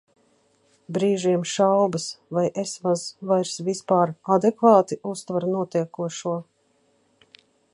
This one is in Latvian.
Brīžiem šaubas, vai es maz vairs vispār adekvāti uztveru notiekošo?